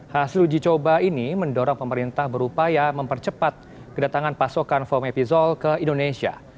hasil uji coba ini mendorong pemerintah berupaya mempercepat kedatangan pasokan fomepizol ke indonesia